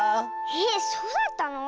えっそうだったの？